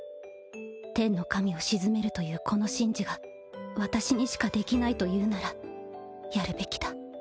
天の神を鎮めるというこの神事が私にしかできないというならやるべきだ。